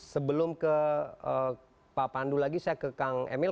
sebelum ke pak pandu lagi saya ke kang emil